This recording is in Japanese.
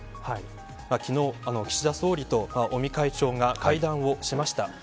昨日、岸田総理と尾身会長が会談をしました。